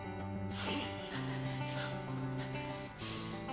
はい！